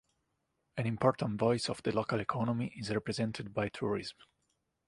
An important voice of the local economy is represented by tourism.